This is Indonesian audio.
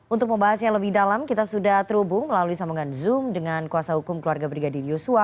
untuk membahasnya lebih dalam kita sudah terhubung melalui sambungan zoom dengan kuasa hukum keluarga brigadir yosua